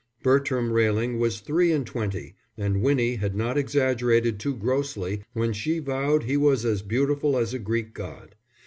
Bertram Railing was three and twenty, and Winnie had not exaggerated too grossly when she vowed he was as beautiful as a Greek god.